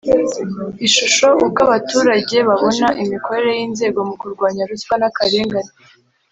Ishusho Uko abaturage babona imikorere y’inzego mu kurwanya ruswa n’ akarengane